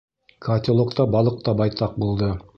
Котелокта балыҡ та байтаҡ булды.